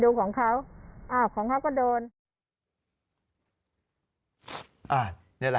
รถของทั้ง๔ล้อเลยนะครับ